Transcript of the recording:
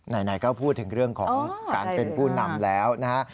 ไหนก็พูดถึงเรื่องของการเป็นผู้นำแล้วนะฮะ